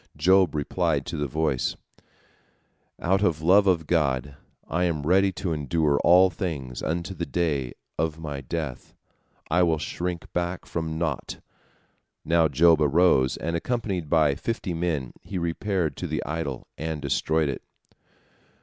Job replied to the voice: "Out of love of God I am ready to endure all things unto the day of my death. I will shrink back from naught." Now Job arose, and accompanied by fifty men he repaired to the idol, and destroyed it.